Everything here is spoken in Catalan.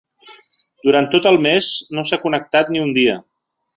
Durant tot el mes no s’ha connectat ni un dia.